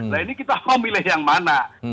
nah ini kita mau milih yang mana